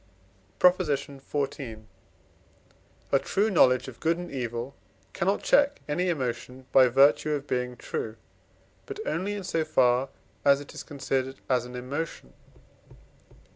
PROP. XIV. A true knowledge of good and evil cannot check any emotion by virtue of being true, but only in so far as it is considered as an emotion.